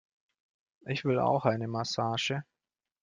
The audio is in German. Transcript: Ich will auch eine Massage!